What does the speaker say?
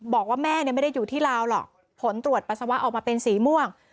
บอกว่าแม่ไม่ได้อยู่ที่ลาวหรอกผลตรวจปัสสาวะออกมาเป็นสีม่วง